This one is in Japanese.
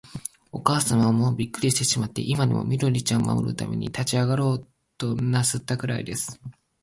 おかあさまは、もうびっくりしてしまって、今にも、緑ちゃんを守るために立ちあがろうとなすったくらいです。